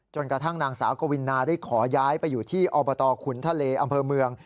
กระทั่งนางสาวกวินาได้ขอย้ายไปอยู่ที่อบตขุนทะเลอำเภอเมือง